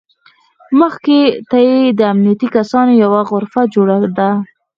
مخې ته یې د امنیتي کسانو یوه غرفه جوړه ده.